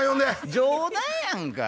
冗談やんか。